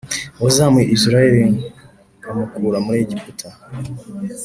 Uwazamuye Isirayeli nkamukura muri Egiputa